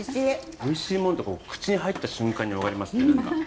おいしいもんって口に入った瞬間に分かりますね。